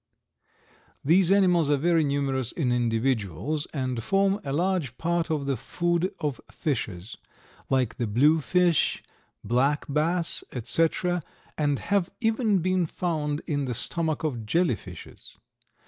These animals are very numerous in individuals and form a large part of the food of fishes, like the blue fish, black bass, etc., and have even been found in the stomach of jelly fishes.